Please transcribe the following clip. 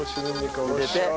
入れて。